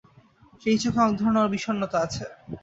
সেই চোখে একধরনের বিষণ্ণতা আছে।